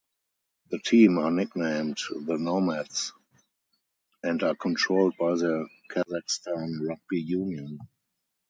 The team are nicknamed "The Nomads" and are controlled by the Kazakhstan Rugby Union.